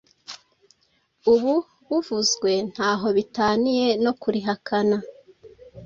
ubu buvuzwe nta ho bitaniye no kurihakana.